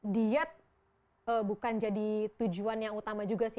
diet bukan jadi tujuan yang utama juga sih